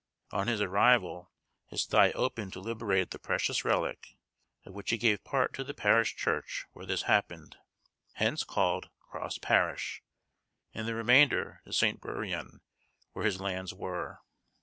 On his arrival, his thigh opened to liberate the precious relic, of which he gave part to the parish church where this happened, hence called Cross parish, and the remainder to St. Buryan, where his lands were.